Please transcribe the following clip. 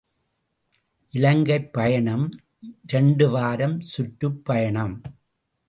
● இலங்கைப் பயணம் இரண்டு வாரம் சுற்றுப் பயணம்.